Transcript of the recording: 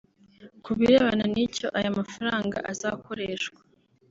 Ku birebana n’icyo aya mafaranga azakoreshwa